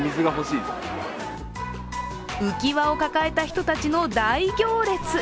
浮き輪を抱えた人たちの大行列。